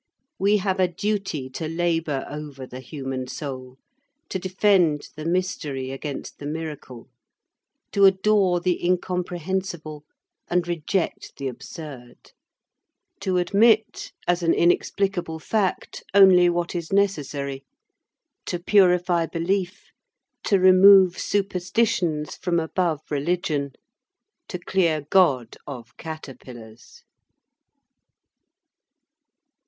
We have a duty to labor over the human soul, to defend the mystery against the miracle, to adore the incomprehensible and reject the absurd, to admit, as an inexplicable fact, only what is necessary, to purify belief, to remove superstitions from above religion; to clear God of caterpillars.